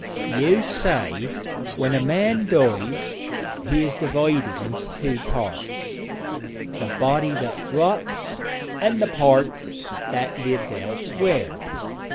'You say when a man dies he is divided into two parts the body that rots and the part "that lives elsewhere."'